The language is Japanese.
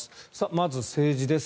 まず政治です。